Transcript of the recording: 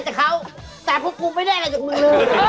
แต่พวกกูไม่ได้อะไรจากมึงเลย